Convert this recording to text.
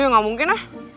gak mungkin lah